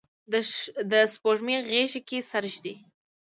د سپوږمۍ غیږه کې سر ږدي